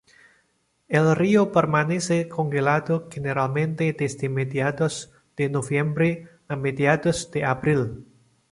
El río permanece congelado generalmente desde mediados de noviembre a mediados de abril.